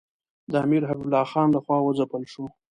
د امیر حبیب الله خان له خوا وځپل شو.